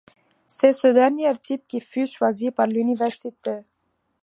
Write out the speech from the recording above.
C'est ce dernier type qui fut choisi par l'université.